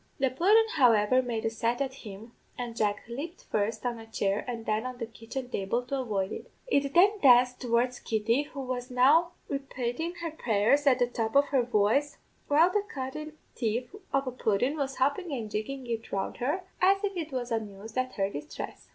"The pudden, however, made a set at him, and Jack lepped first on a chair and then on the kitchen table to avoid it. It then danced towards Kitty, who was now repatin' her prayers at the top of her voice, while the cunnin' thief of a pudden was hoppin' and jiggin' it round her, as if it was amused at her distress.